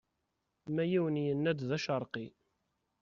Ma yiwen yenna-d d acerqi.